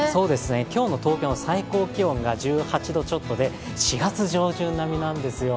今日の東京の最高気温が１８度ちょっとで４月上旬並みなんですよ。